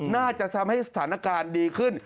น่าจะทำให้สถานการณ์ดีขึ้น